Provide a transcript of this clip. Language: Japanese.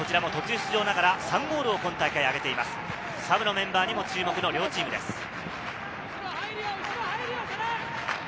サブのメンバーにも注目の両チームです。